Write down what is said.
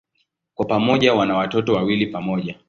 Kwa pamoja wana watoto wawili pamoja.